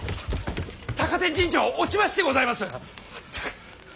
高天神城落ちましてございます。